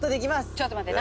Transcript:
ちょっと待って。